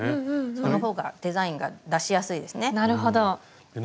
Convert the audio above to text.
そのほうがデザインが出しやすいですね。